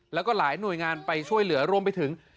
แล้วก็หลายหน่วยงานไปช่วยเหลือรวมไปถึง